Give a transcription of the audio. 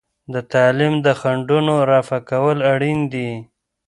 د تعلیم د خنډونو رفع کول اړین دي.